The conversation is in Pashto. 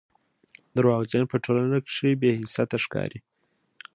درواغجن په ټولنه کښي بې حيثيته ښکاري